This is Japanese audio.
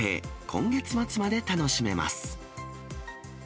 今月末まで楽しめます。